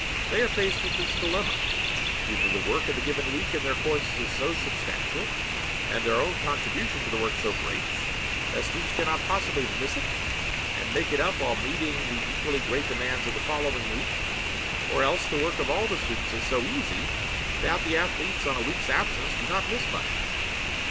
They are faced with this dilemma. Either the work of a given week in their courses is so substantial, and their own contribution to the work so great, that students cannot possibly miss it, and 'make it up' while meeting the equally great demands of the following week, or else the work of all the students is so easy that the athletes on a week's absence do not miss much.